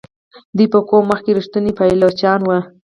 دوی په کوم وخت کې ریښتوني پایلوچان وو.